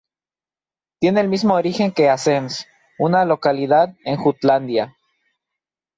Tiene el mismo origen que Assens, una localidad de Jutlandia.